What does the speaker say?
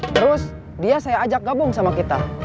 terus dia saya ajak gabung sama kita